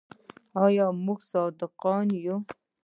آیا موږ صادقان یو؟